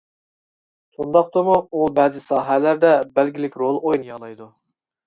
شۇنداقتىمۇ ئۇ بەزى ساھەلەردە بەلگىلىك رول ئوينىيالايدۇ.